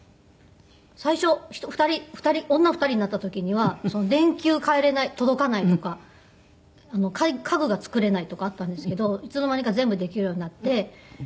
最初女２人になった時には電球替えられない届かないとか家具が作れないとかあったんですけどいつの間にか全部できるようになって。